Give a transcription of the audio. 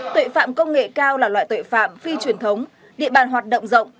tuệ phạm công nghệ cao là loại tuệ phạm phi truyền thống địa bàn hoạt động rộng